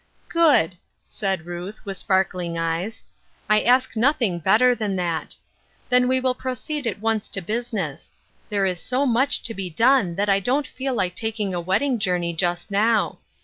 " Good I " said Ruth, with sparkling eyes, " I ask nothing better than that. Then we will proceed at once to business ; there is so much to be done that I don't feel like taking a wed ding journey just now.